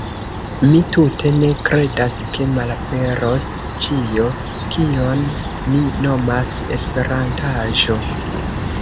Mi tute ne kredas ke malaperos ĉio, kion ni nomas “Esperantaĵo”.